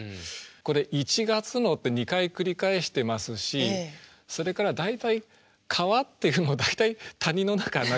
これ「一月の」って２回繰り返してますしそれから大体川っていうのは大体谷の中を流れてるんですね。